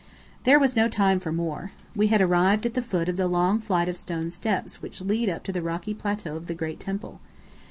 There was no time for more. We had arrived at the foot of the long flight of stone steps which lead up to the rocky plateau of the Great Temple.